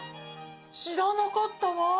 知らなかったわ！